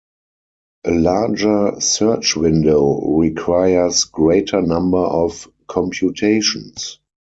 A larger search window requires greater number of computations.